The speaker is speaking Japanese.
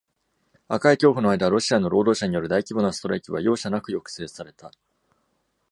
赤い恐怖の間、ロシアの労働者による大規模なストライキは「容赦なく」抑制された。